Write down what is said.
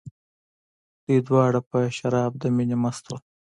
دوی دواړه په شراب د مینې مست وو.